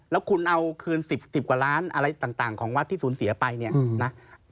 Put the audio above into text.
แล้วคุณเอาคืน๑๐กว่าล้านอะไรต่างของวัดที่สูญเสียไปเนี่ยนะ